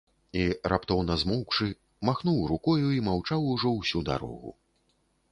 І раптоўна змоўкшы, махнуў рукою і маўчаў ужо ўсю дарогу.